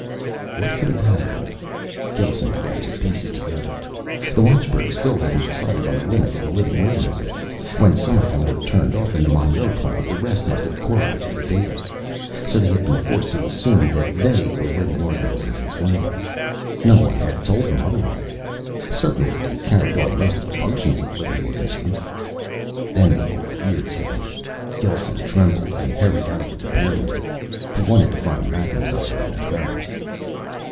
What could have happened? Gelsen began to piece it together. The watchbirds still hadn't decided on the limits of a living organism. When some of them were turned off in the Monroe plant, the rest must have correlated the data. So they had been forced to assume that they were living organisms, as well. No one had ever told them otherwise. Certainly they carried on most of the functions of living organisms. Then the old fears hit him. Gelsen trembled and hurried out of the repair room. He wanted to find Macintyre in a hurry.